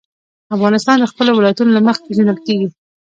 افغانستان د خپلو ولایتونو له مخې پېژندل کېږي.